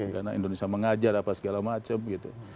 karena indonesia mengajar apa segala macam gitu